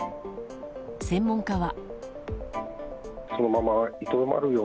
専門家は。